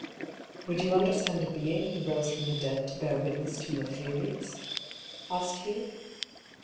" Would you understand a being who rose from the dead to bear witness to your theories ?" asked Hugh.